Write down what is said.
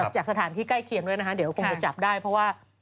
จากสถานที่ใกล้เคียงด้วยนะคะเดี๋ยวคงจะจับได้เพราะว่า